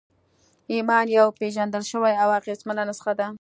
ایمان یوه پېژندل شوې او اغېزمنه نسخه ده